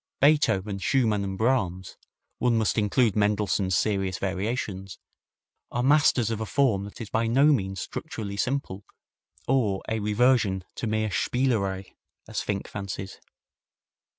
Beethoven, Schumann and Brahms one must include Mendelssohn's Serious Variations are masters of a form that is by no means structurally simple or a reversion to mere spielerei, as Finck fancies.